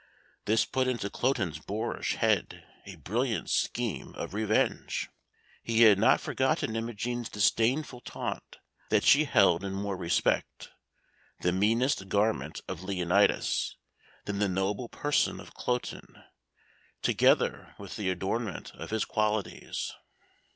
This put into Cloten's boorish head a brilliant scheme of revenge. He had not forgotten Imogen's disdainful taunt that she held in more respect "the meanest garment" of Leonatus than the noble person of Cloten, together with the adornment of his qualities.